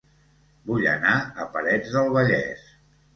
Vull anar a Parets del Vallès